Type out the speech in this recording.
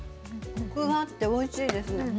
コクがあっておいしいです。